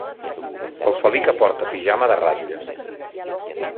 El felí que porta pijama de ratlles.